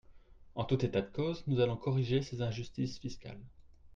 En tout état de cause, nous allons corriger ces injustices fiscales.